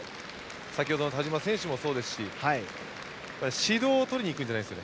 先程の田嶋選手もそうですし指導を取りにいくんじゃないんです。